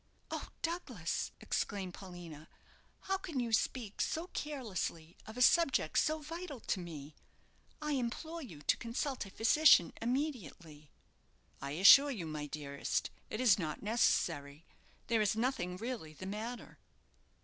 "Oh, Douglas," exclaimed Paulina, "how can you speak so carelessly of a subject so vital to me? I implore you to consult a physician immediately." "I assure you, my dearest, it is not necessary. There is nothing really the matter."